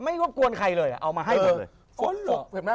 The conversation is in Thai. ไม่ว่ากวนใครเลยเอามาให้กันเลย